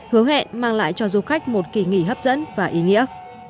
hứa hẹn mang lại cho du khách một kỳ nghỉ hấp dẫn và ý nghĩa